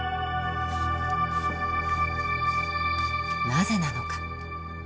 なぜなのか。